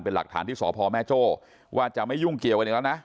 เป็นหลักฐานที่สพแม่โจ้ว่าจะไม่ยุ่งเกี่ยวกันอีกแล้วนะ